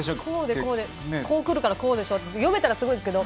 こうくるから、こうでしょって読めたらすごいですけど。